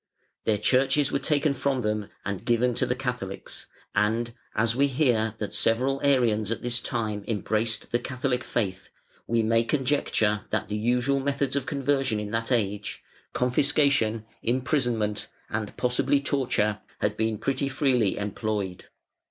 Their churches were taken from them and given to the Catholics, and, as we hear that several Arians at this time embraced the Catholic faith, we may conjecture that the usual methods of conversion in that age, confiscation, imprisonment, and possibly torture, had been pretty freely employed.